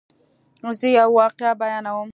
زه یوه واقعه بیانوم.